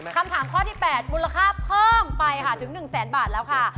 คำถามข้อที่๘มูลค่าเพิ่มไปค่ะถึง๑แสนบาทแล้วค่ะ